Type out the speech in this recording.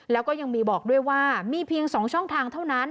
แล้วก็ยังมีบอกด้วยว่ามีเพียง๒ช่องทางเท่านั้น